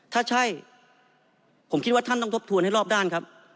ถ้าใช่ผมคิดว่าท่านต้องทบทวนให้รอบด้านครับ